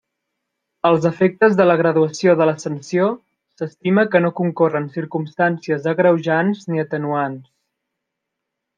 Als efectes de la graduació de la sanció, s'estima que no concorren circumstàncies agreujants ni atenuants.